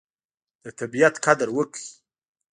د طبیعت قدر وکړئ.